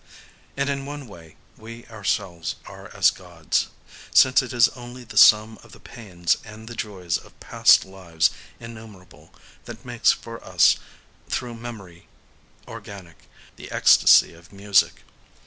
And in one way we ourselves are as Gods,—since it is only the sum of the pains and the joys of past lives innumerable that makes for us, through memory organic, the ecstasy of music.